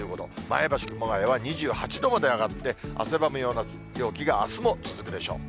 前橋、熊谷は２８度まで上がって、汗ばむような陽気があすも続くでしょう。